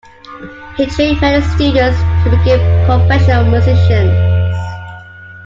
He trained many students who became professional musicians.